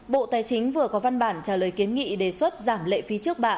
bộ tài chính vừa có văn bản trả lời kiến nghị đề xuất giảm lệ phí trước bạ